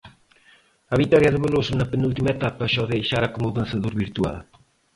A vitoria de Veloso na penúltima etapa xa o deixara como vencedor virtual.